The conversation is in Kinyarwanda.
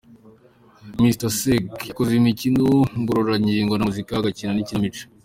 Mr Sek yakoze imikino ngororangingo na muzika, agakina n’ikinamico.